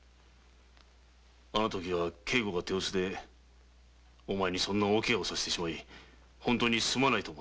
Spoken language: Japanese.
あの時は警護が手薄でお前にそんな大ケガをさせてしまい本当にすまないと。